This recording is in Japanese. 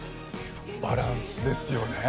バランスですよね。